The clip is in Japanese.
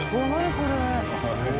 これ。